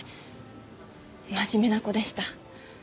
真面目な子でした。